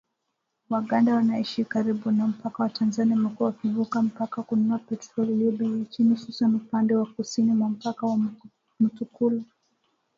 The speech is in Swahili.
Waganda wanaoishi karibu na mpaka wa Tanzania wamekuwa wakivuka mpaka kununua petroli iliyo bei ya chini , hususan upande wa kusini mwa mpaka wa Mutukula